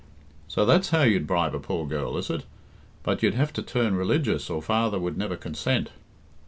"So that's how you'd bribe a poor girl is it? But you'd have to turn religious, or father would never consent."